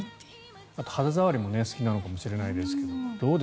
あと肌触りも好きなのかもしれませんがどうです？